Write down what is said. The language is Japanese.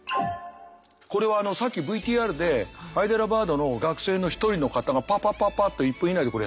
これはさっきＶＴＲでハイデラバードの学生の１人の方がパパパパッと１分以内でこれやってくれた。